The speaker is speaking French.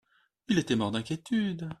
Il était mort d’inquiétude.